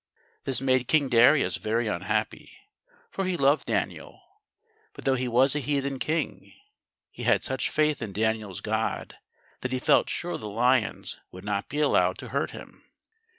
This made King Darius very unhappy, for he loved Daniel. But though he was a heathen king, he had such faith in Daniel's God, that he felt sure the lions would not be allowed to hurt him.